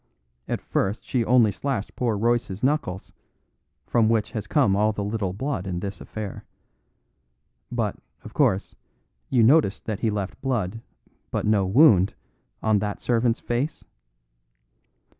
At first she only slashed poor Royce's knuckles, from which has come all the little blood in this affair. But, of course, you noticed that he left blood, but no wound, on that servant's face?